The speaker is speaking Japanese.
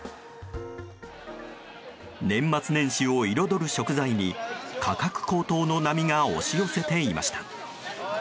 年末年始を彩る食材に価格高騰の波が押し寄せていました。